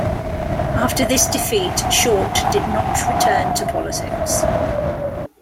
After this defeat, Short did not return to politics.